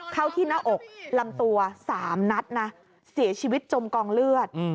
เข้าที่หน้าอกลำตัว๓นัดนะเสียชีวิตจมกองเลือด